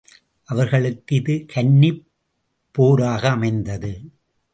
அவரர்களுக்கு இது கன்னிப் போராக அமைந்தது.